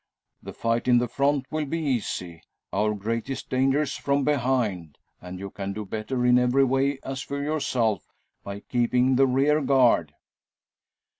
The fight in the front will be easy. Our greatest danger's from behind; and you can do better in every way, as for yourself, by keeping the rear guard."